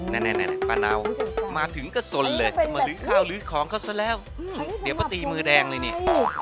นั่นป้าเนามาถึงก็สนเลยจะมาลื้อข้าวลื้อของเขาซะแล้วเดี๋ยวป้าตีมือแดงเลยเนี่ย